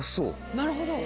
なるほど。